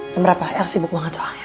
yang berapa el sibuk banget soalnya